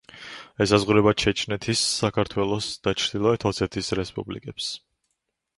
ესაზღვრება ჩეჩნეთის, საქართველოს, ჩრდილოეთ ოსეთის რესპუბლიკებს.